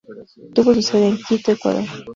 Tuvo su sede en Quito, Ecuador.